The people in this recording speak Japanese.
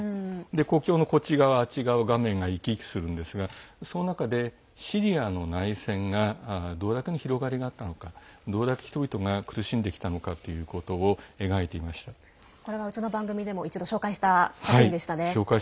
国境のあっち側とこっち側画面が行き来するんですがその中で、シリアの内戦がどれだけの広がりがあったのかどれだけ人々が苦しんできたのかということをその映画は一度、紹介した作品でしたね。